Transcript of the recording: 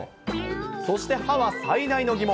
そして、はは最大の疑問。